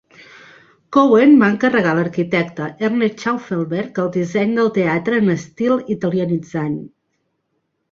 Cowen va encarregar a l'arquitecte Ernest Schaufelberg el disseny del teatre en estil italianitzant.